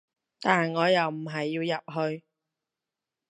但我又唔係要入去